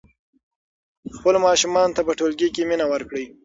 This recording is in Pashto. خپلو ماشومانو ته په ټولګي کې مینه ورکړئ.